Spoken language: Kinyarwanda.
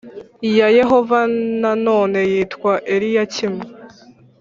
ya yehova nanone yitwa eliyakimu